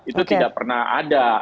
itu tidak pernah ada